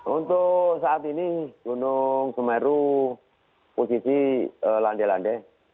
untuk saat ini gunung semeru posisi landai landai